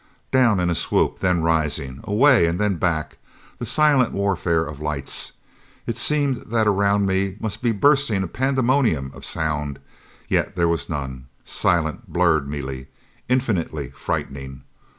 Down in a swoop. Then rising. Away, and then back. This silent warfare of lights! It seemed that around me must be bursting a pandemonium of sound. Yet there was none. Silent, blurred melee, infinitely frightening.